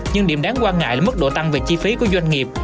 nhưng điểm đáng quan ngại là mức độ tăng về chi phí của doanh nghiệp